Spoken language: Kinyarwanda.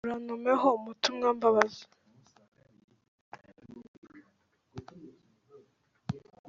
Uratumeho Mutumwambazi.